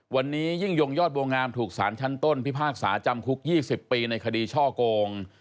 วันนี้ยิ่งยงยอดบวงงามถูกสารชั้นต้นพิพากษาจำคุก๒๐ปีในคดีช่อโกง